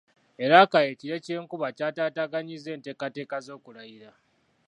E Rakai ekire ky’enkuba kyataataaganyizza enteekateeka z’okulayira.